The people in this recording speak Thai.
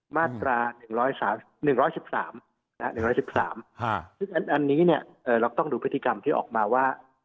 มาตรา๑๑๓๑๑๓ซึ่งอันนี้เราต้องดูพฤติกรรมที่ออกมาว่า